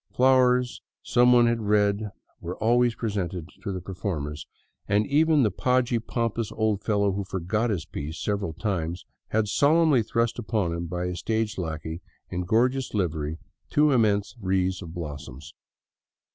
Flowers, some one had read, were always presented to the performers, and even the podgy, pompous old fellow who forgot his piece " several times had solemnly thrust upon him by a stage lackey in gorgeous livery two immense wreaths of blossoms.